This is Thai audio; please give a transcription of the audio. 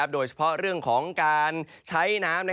โดยเฉพาะเรื่องของการใช้น้ำ